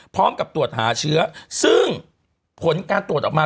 พร้อมกับตรวจหาเชื้อซึ่งผลการตรวจออกมา